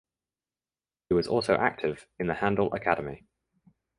He was also active in the Handel Academy.